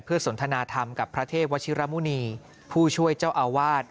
สนทนาธรรมกับพระเทพวชิระมุณีผู้ช่วยเจ้าอาวาส